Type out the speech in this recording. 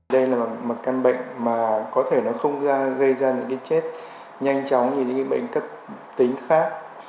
đây là một căn bệnh mà có thể nó không gây ra những chết nhanh chóng như những bệnh cấp tính khác